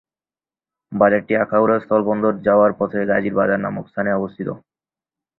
বাজারটি আখাউড়া স্থল বন্দর যাওয়ার পথে গাজীর বাজার নামক স্থানে অবস্থিত।